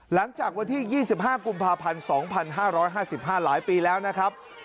หลังจากวันที่๒๕กุมภาพันธ์๒๕๕๕หลายปีแล้วนะครับ